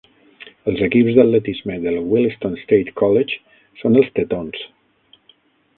Els equips d'atletisme del Williston State College són els Tetons.